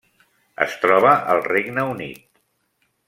Es troba al Regne Unit.